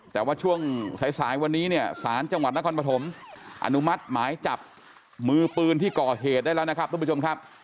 แต่ว่าช่วงสายสายวันนี้เนี่ยศาลจังหวัดนครปฐมอนุมัติหมายจับมือปืนที่ก่อเหตุได้แล้วนะครับทุกผู้ชมครับ